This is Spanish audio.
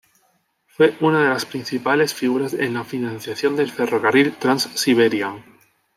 Fue una de las principales figuras en la financiación del ferrocarril Trans-Siberian.